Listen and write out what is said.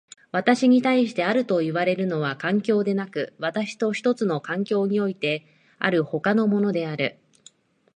私に対してあるといわれるのは環境でなく、私と一つの環境においてある他のものである。